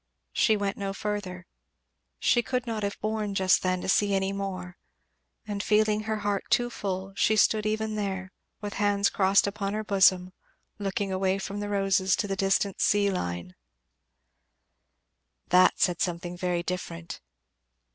She went no further. She could not have borne, just then, to see any more; and feeling her heart too full she stood even there, with hands crossed upon her bosom, looking away from the roses to the distant sea line. [Illustration: The roses could not be sweeter to any one.] That said something very different.